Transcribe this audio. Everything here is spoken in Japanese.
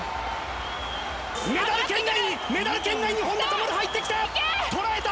メダル圏内に本多灯、入ってきた！